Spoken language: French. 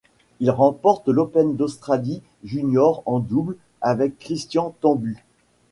Il remporte l'Open d'Australie junior en double avec Christian Tambue.